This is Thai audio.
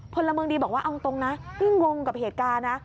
พลเมืองดีบอกว่าเอาตรงนะก็งงกับเหตุการณ์นะ